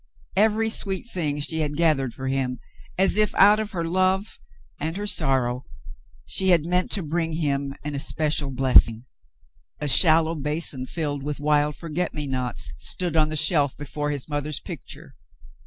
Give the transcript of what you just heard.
Every sweet thing she had gathered for him, as if, out of her love and her sorrow, she had meant to bring to him an especial blessing. A shallow basin filled with wild forget me nots stood on the shelf before his mother's picture.